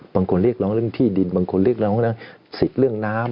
บางคนเรียกร้องเรื่องที่ดินบางคนเรียกร้องเรื่องสิทธิ์เรื่องน้ำ